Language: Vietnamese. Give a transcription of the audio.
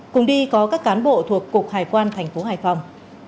cùng đi có các cán bộ thuộc cục hải quan thành phố hải phòng